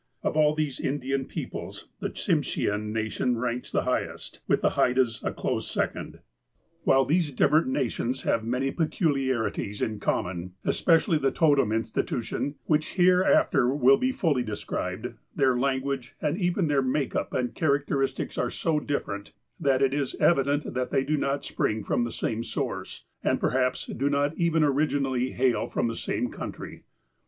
Of all of these Indian peoples, the Tsimshean nation ranks the highest, with the Haidas a close second. While these different nations have many peculiarities in common, especially the totem institution, which here after will be fully described, their language, and even their make up and characteristics are so different, that it is evident that they do not spring from the same source, and perhaps do not even originally hail from the same country.